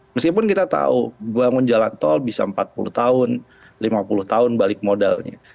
meskipun kita tahu bangun jalan tol bisa empat puluh tahun lima puluh tahun balik modalnya